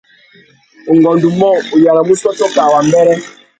Ungôndômô, u yānamú ussôtô kā wambêrê.